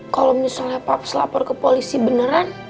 kalo misalnya paps lapor ke polisi beneran